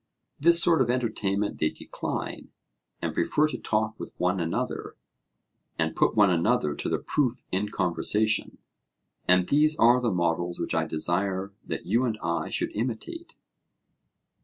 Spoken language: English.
This sort of entertainment they decline, and prefer to talk with one another, and put one another to the proof in conversation. And these are the models which I desire that you and I should imitate.